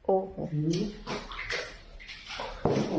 โอ้โห